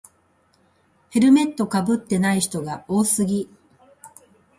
ヘルメットかぶってない人が多すぎ